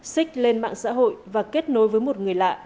xích lên mạng xã hội và kết nối với một người lạ